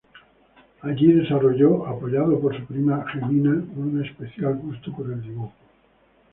Allí desarrolló, apoyado por su prima Jemima, un especial gusto por el dibujo.